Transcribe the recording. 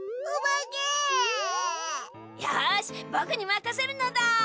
よしぼくにまかせるのだ。